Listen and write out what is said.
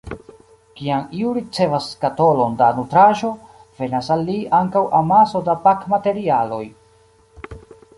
Kiam iu ricevas skatolon da nutraĵo, venas al li ankaŭ amaso da pakmaterialoj.